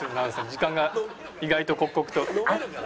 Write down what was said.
時間が意外と刻々と。